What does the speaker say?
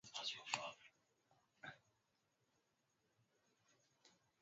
fernado alonzo kwa pointi ishirini na nne